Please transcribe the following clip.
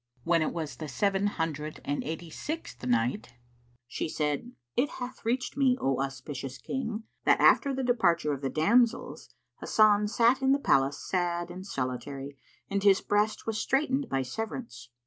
When it was the Seven Hundred and Eighty sixth Night, She said, It hath reached me, O auspicious King, that after the departure of the damsels, Hasan sat in the palace sad and solitary and his breast was straitened by severance.